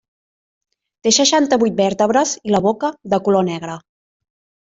Té seixanta-vuit vèrtebres i la boca de color negre.